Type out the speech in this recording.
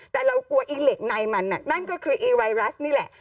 แต่เรากลัวอีเหล็กในมันนั่นก็คืออีไวรัสนี่แหละ